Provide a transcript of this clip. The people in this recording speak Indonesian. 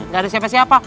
gak ada siapa siapa